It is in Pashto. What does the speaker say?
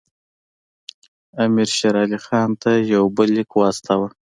امیر شېر علي خان ته یو بل لیک واستاوه.